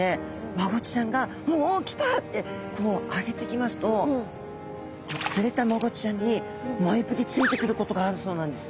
マゴチちゃんが「おお来た！」ってこう上げてきますと釣れたマゴチちゃんにもう一匹ついてくることがあるそうなんです。